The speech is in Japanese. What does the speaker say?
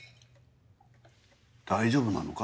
大丈夫なのか？